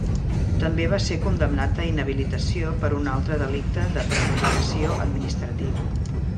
També va ser condemnat a inhabilitació per un altre delicte de prevaricació administrativa.